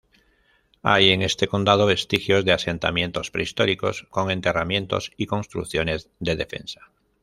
Hay en este condado vestigios de asentamientos prehistóricos, con enterramientos y construcciones de defensa.